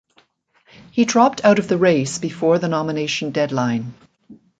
He dropped out of the race before the nomination deadline.